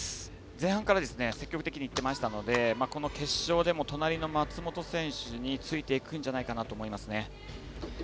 前半から積極的にいってましたので決勝でも隣の松元選手についていくんじゃないかなと思いますね。